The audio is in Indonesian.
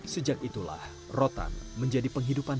sejak itulah rotan menjadi penghidupan